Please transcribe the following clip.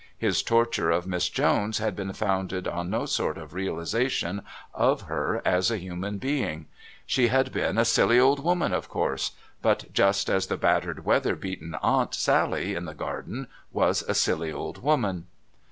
His torture of Miss Jones had been founded on no sort of realisation of her as a human being; she had been a silly old woman, of course, but just as the battered weather beaten Aunt Sally in the garden was a silly old woman.